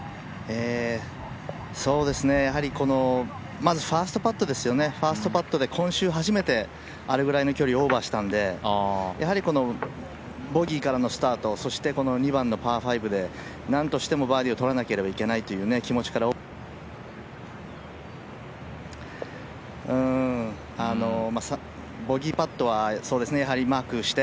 まず、ファーストパットで今週初めてあれぐらいの距離オーバーしたんで、やはりボギーからのスタート、そしてこの２番のパー５でなんとかバーディーをとらなければいけないという気持ちからボギーパットはマークして。